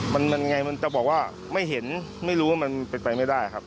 มันมันไงมันจะบอกว่าไม่เห็นไม่รู้ว่ามันเป็นไปไม่ได้ครับ